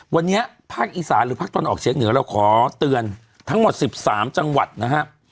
วันนี้ภาคอีสานหรือภาคตะวันออกเฉียงเหนือเราขอเตือนทั้งหมด๑๓จังหวัดนะครับ